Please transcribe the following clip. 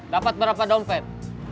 dapat berapa dompet